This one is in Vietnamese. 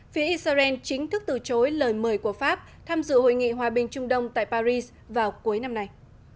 phía israel chính thức từ chối lời mời của pháp tham dự hội nghị hòa bình trung đông tại paris vào cuối năm nay